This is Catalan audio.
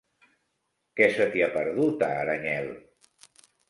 Què se t'hi ha perdut, a Aranyel?